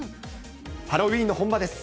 ハロウィーンの本場です。